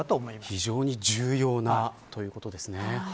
非常に重要なということですね。